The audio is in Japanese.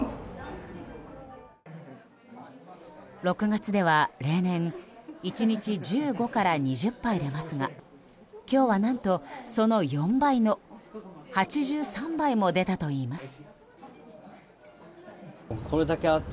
６月は例年１日、１５から２０杯出ますが今日は何とその４倍の８３杯も出たといいます。